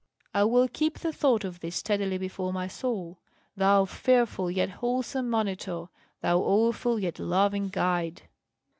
"I will keep the thought of thee steadily before my soul, thou fearful yet wholesome monitor, thou awful yet loving guide!"